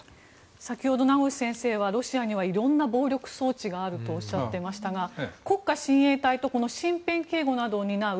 先ほど名越先生はロシアには色んな暴力装置があるとおっしゃってましたが国家親衛隊とこの身辺警護などを担う